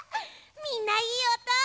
みんないいおと！